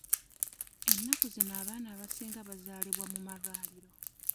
Ennaku zino abaana abasinga bazaalibwa mu amalwariro.